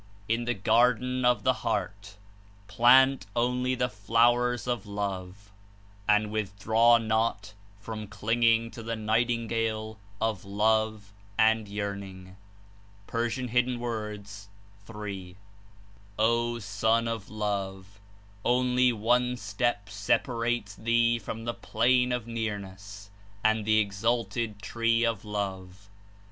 In the garden of the heart plant only flowers of Love, and withdraw not from clinging to the nightingale of love and yearning.'' (P. 3.) *'0 Son of Love! Only one step separates thee from the plane of Nearness and the exalted Tree of Love.